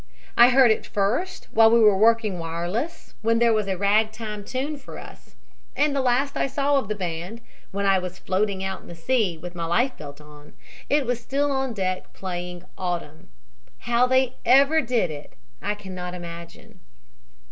I heard it first while we were working wireless, when there was a rag time tune for us, and the last I saw of the band, when I was floating out in the sea, with my life belt on, it was still on deck playing 'Autumn.' How they ever did it I cannot imagine.